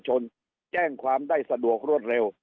แจ้งความได้สะดวกรวดเร็ว